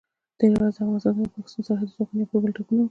تېره ورځ د افغانستان او پاکستان سرحدي ځواکونو یو پر بل ټکونه وکړل.